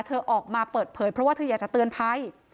ออกมาเปิดเผยเพราะว่าเธออยากจะเตือนภัย